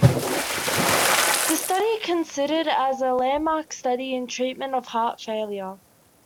This study considered as a landmark study in treatment of heart failure.